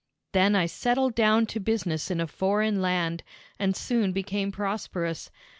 "Then I settled down to business in a foreign land, and soon became prosperous.